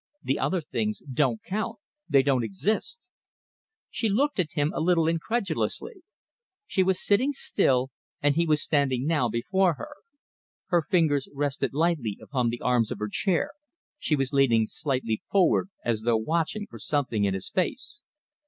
The other things don't count. They don't exist." She looked at him a little incredulously. She was still sitting, and he was standing now before her. Her fingers rested lightly upon the arms of her chair, she was leaning slightly forward as though watching for something in his face.